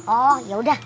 oh ya udah